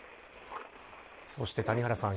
そして谷原さん。